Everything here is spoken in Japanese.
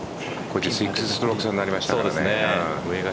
６ストローク差になりましたかね。